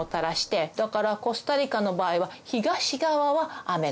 だからコスタリカの場合は東側は雨が降る。